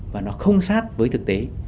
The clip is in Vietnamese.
và nó không sát với thực tế